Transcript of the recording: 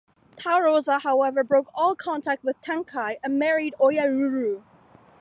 Tarouza, however, broke all contact with Tenkai, and married Oyaruru.